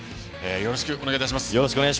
よろしくお願いします。